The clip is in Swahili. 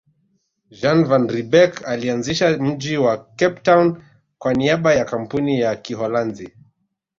Jan van Riebeeck alianzisha mji wa Cape Town kwa niaba ya Kampuni ya Kiholanzi